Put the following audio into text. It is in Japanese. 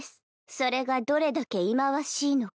それがどれだけ忌まわしいのか。